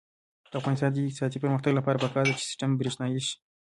د افغانستان د اقتصادي پرمختګ لپاره پکار ده چې سیستم برښنايي شي.